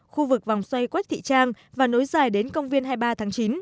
khu vực vòng xoay quách thị trang và nối dài đến công viên hai mươi ba tháng chín